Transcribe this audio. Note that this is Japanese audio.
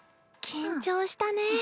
緊張したね。